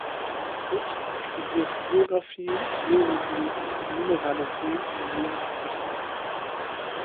Obst studiert Geographie, Geologie und Mineralogie in Jena und Breslau.